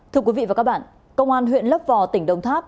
thưa quý vị và các bạn công an huyện lấp vò tỉnh đồng tháp